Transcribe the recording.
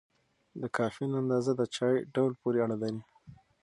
د کافین اندازه د چای ډول پورې اړه لري.